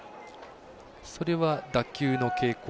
それは打球の傾向